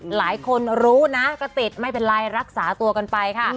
หลายคนรู้นะก็ติดไม่เป็นไรรักษาตัวกันไปค่ะ